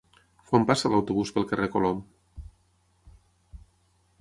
Quan passa l'autobús pel carrer Colom?